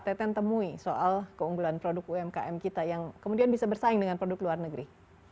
teten temui soal keunggulan produk umkm kita yang kemudian bisa bersaing dengan produk luar negeri